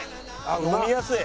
飲みやすい。